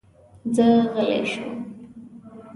زه غلی شوم.